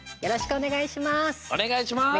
おねがいします。